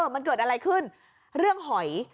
มันเกิดอะไรขึ้นเรื่องหอย